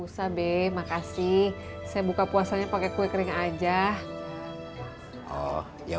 sampai jumpa di video selanjutnya